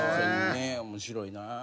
面白いな。